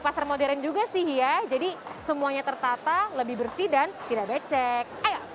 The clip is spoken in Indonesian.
pasar modern juga sih ya jadi semuanya tertata lebih bersih dan tidak becek ayo